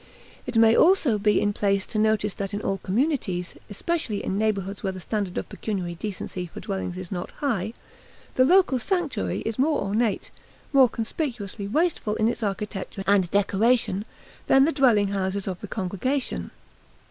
It may also be in place to notice that in all communities, especially in neighborhoods where the standard of pecuniary decency for dwellings is not high, the local sanctuary is more ornate, more conspicuously wasteful in its architecture and decoration, than the dwelling houses of the congregation.